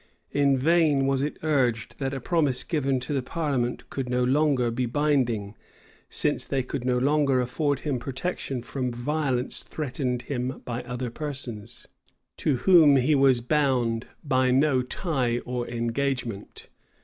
In vain was it urged, that a promise given to the parliament could no longer be binding; since they could no longer afford him protection from violence threatened him by other persons, to whom he was bound by no tie or engagement.